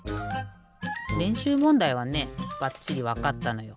れんしゅうもんだいはねばっちりわかったのよ。